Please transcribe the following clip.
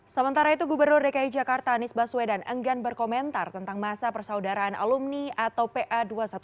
sementara itu gubernur dki jakarta anies baswedan enggan berkomentar tentang masa persaudaraan alumni atau pa dua ratus dua belas